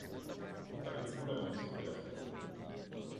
La vettura vinse quella stagione.